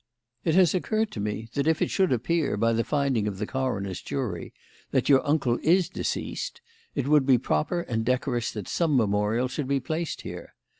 It has occurred to me that if it should appear by the finding of the coroner's jury that your uncle is deceased, it would be proper and decorous that some memorial should be placed here.